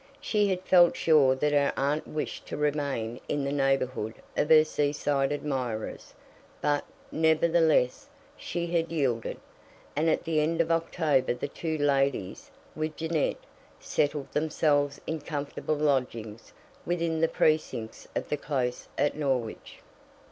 She had felt sure that her aunt wished to remain in the neighbourhood of her seaside admirers; but, nevertheless, she had yielded, and at the end of October the two ladies, with Jeannette, settled themselves in comfortable lodgings within the precincts of the Close at Norwich.